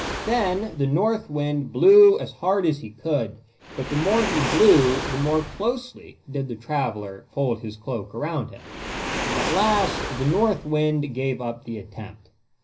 Then the North Wind blew as hard as he could, but the more he blew the more closely did the traveler fold his cloak around him; and at last the North Wind gave up the attempt.